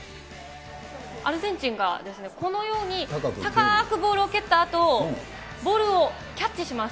アルゼンチンが、このように高くボールを蹴ったあと、ボールをキャッチします。